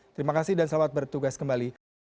terima kasih dan selamat bertugas kembali